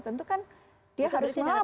tentu kan dia harus melapor